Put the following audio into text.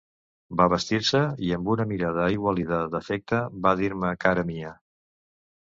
Va vestir-se i amb una mirada aigualida d'afecte, va dir-me cara mia!